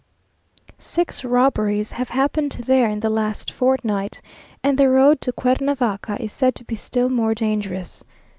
Six robberies have happened there in the last fortnight, and the road to Cuernavaca is said to be still more dangerous.